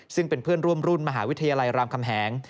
ซึ่งเป็นเพื่อนร่วมรุ่นมหาวิทยาลัยรามคำแหง